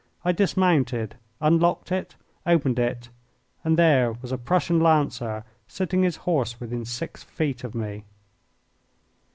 I dismounted, unlocked it, opened it, and there was a Prussian Lancer sitting his horse within six feet of me.